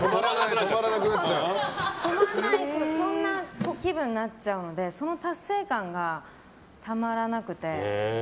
そんな気分になっちゃうのでその達成感がたまらなくて。